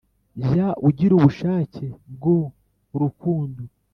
jya ugira ubushake bwu urukundo